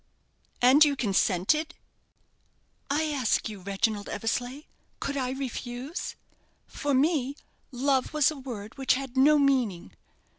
'" "And you consented?" "I ask you, Reginald Eversleigh, could I refuse? For me, love was a word which had no meaning.